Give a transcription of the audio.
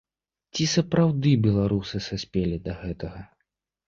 Ці сапраўды беларусы саспелі да гэтага?